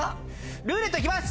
「ルーレット」いきます！